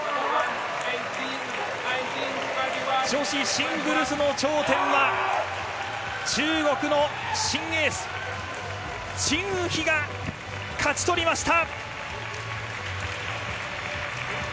女子シングルスの頂点は、中国の新エース、チン・ウヒが勝ち取りました。